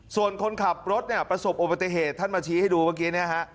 ส่วนคนขับรถเนี่ยประสบอุบัติเหตุท่านมาชี้ให้ดูเมื่อกี้เนี่ยฮะ